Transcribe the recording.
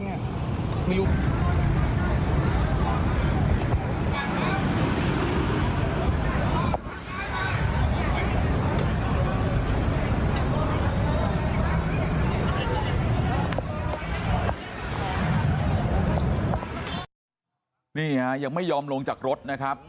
นี่ฮะยังไม่ยอมลงจากรถนะครับ